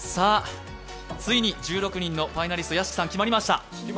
ついに１６人のファイナリスト、決まりました。